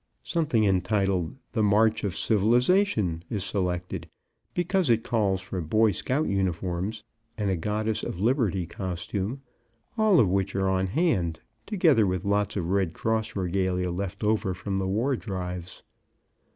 Something entitled "The March of Civilization" is selected, because it calls for Boy Scout uniforms and a Goddess of Liberty costume, all of which are on hand, together with lots of Red Cross regalia, left over from the war drives.